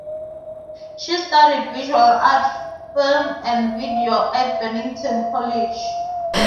She studied visual art, film and video at Bennington College.